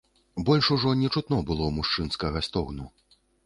Больш ужо не чутно было мужчынскага стогну.